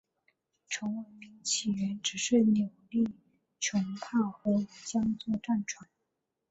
从文明起源直至扭力弩炮和五桨座战船。